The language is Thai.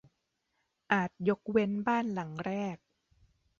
อาจยกเว้นบ้านหลังแรก